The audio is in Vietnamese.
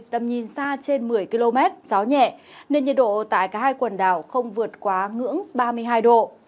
tầm nhìn xa trên một mươi km gió nhẹ nên nhiệt độ tại cả hai quần đảo không vượt quá ngưỡng ba mươi hai độ